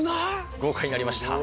豪華になりました。